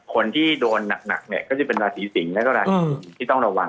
คนที่โดนหนักเนี่ยก็จะเป็นราศีสิงศ์แล้วก็ราศีที่ต้องระวัง